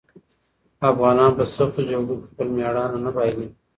افغانان په سختو جګړو کې خپل مېړانه نه بايلي.